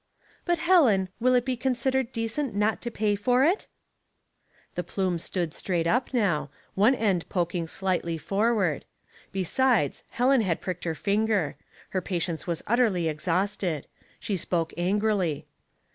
'' But, Helen, will it be considered decent not to pay for it? '' The plume stood straight up now, one end poking slightly forward ; besides, Helen had pricked her finger ; her patience was utterly ex hausted ; she spoke angrily.